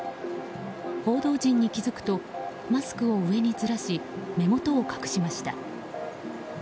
報道陣に気付くとマスクを上にずらし目元を隠しました。